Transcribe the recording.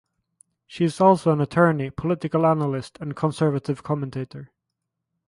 She is also an attorney, political analyst and conservative commentator.